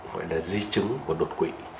gọi là di chứng của đột quỵ